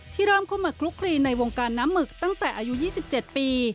เริ่มเข้ามาคลุกคลีในวงการน้ำหมึกตั้งแต่อายุ๒๗ปี